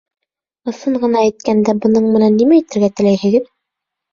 Ысын ғына әйткәндә, бының менән нимә әйтергә теләйһегеҙ?